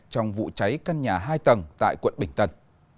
trong vụ cháy căn nhà hai tầng tại quận bình tân